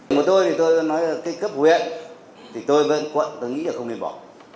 một đôi thì tôi nói là cấp huyện thì tôi với quận tôi nghĩ là không nên bỏ